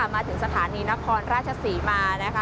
มาถึงสถานีนครราชศรีมานะคะ